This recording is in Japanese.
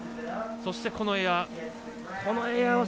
そして、このエア。